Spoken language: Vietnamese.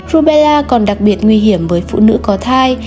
rubela còn đặc biệt nguy hiểm với phụ nữ có thai